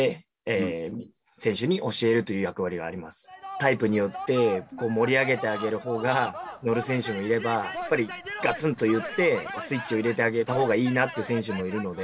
タイプによって盛り上げてあげるほうが乗る選手もいればやっぱりガツンと言ってスイッチを入れてあげたほうがいいなって選手もいるので。